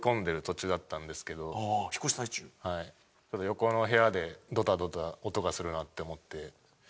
横の部屋でドタドタ音がするなって思って。